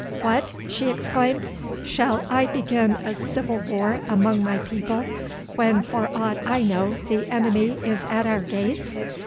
"What!" she exclaimed, "shall I begin a civil war among my people when for aught I know the enemy is at our gates?"